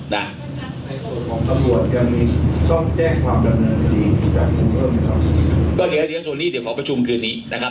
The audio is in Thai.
คุณครับในส่วนของตำรวจยังมี